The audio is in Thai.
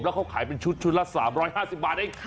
แล้วเขาขายเป็นชุดรัฐ๓๕๐ภาท